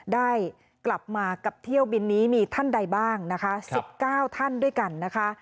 ได้กลับมากับเที่ยวบินนี้มีท่านใดบ้างนะคะ๑๙ท่านด้วยกันนะคะ